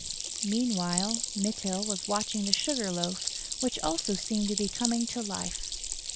Meanwhile, Mytyl was watching the sugar loaf, which also seemed to be coming to life.